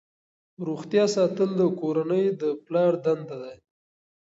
روغتیا ساتل د کورنۍ د پلار دنده ده.